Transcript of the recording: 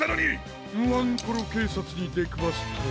ワンコロけいさつにでくわすとは。